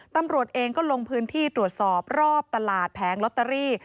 ตำรวจเองก็ลงพื้นที่ตรวจสอบรอบตลาดแผงลอตเตอรี่